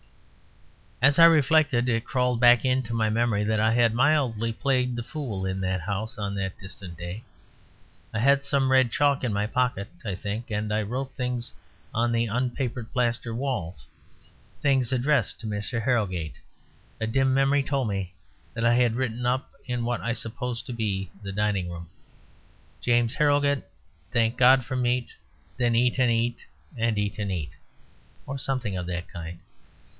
As I reflected it crawled back into my memory that I had mildly played the fool in that house on that distant day. I had some red chalk in my pocket, I think, and I wrote things on the unpapered plaster walls; things addressed to Mr. Harrogate. A dim memory told me that I had written up in what I supposed to be the dining room: James Harrogate, thank God for meat, Then eat and eat and eat and eat, or something of that kind.